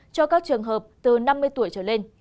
cho các trường hợp từ năm mươi tuổi trở lên